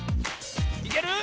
いける？